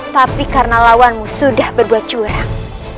tapi karena lawanmu sudah berbuat curang